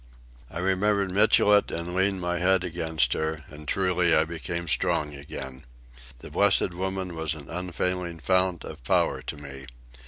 I remembered Michelet and leaned my head against her; and truly I became strong again. The blessed woman was an unfailing fount of power to me.